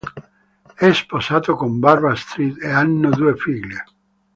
È sposato con Barbra Astrid e hanno due figlie.